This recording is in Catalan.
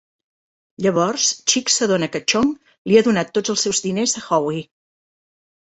Llavors, Cheech s'adona que Chong li ha donat tot els seus diners a Howie.